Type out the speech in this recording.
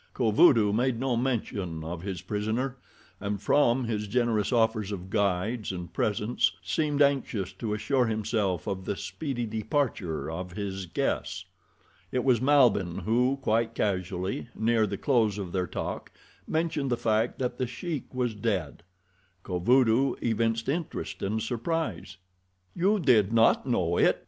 Kovudoo made no mention of his prisoner and from his generous offers of guides and presents seemed anxious to assure himself of the speedy departure of his guests. It was Malbihn who, quite casually, near the close of their talk, mentioned the fact that The Sheik was dead. Kovudoo evinced interest and surprise. "You did not know it?"